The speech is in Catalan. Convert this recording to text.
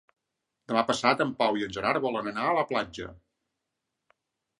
Demà passat en Pau i en Gerard volen anar a la platja.